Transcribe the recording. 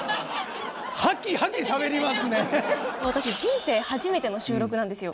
私人生初めての収録なんですよ。